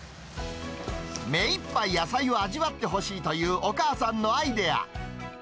目いっぱい野菜を味わってほしいという、お母さんのアイデア。